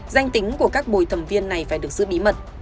danh tính của các bồi thẩm viên này phải được giữ bí mật